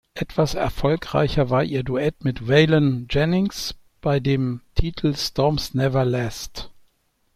Etwas erfolgreicher war ihr Duett mit Waylon Jennings bei dem Titel "Storms Never Last".